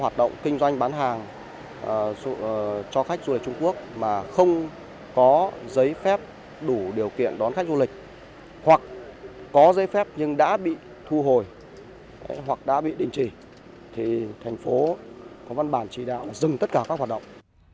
có văn bản chỉ đạo dừng tất cả các hoạt động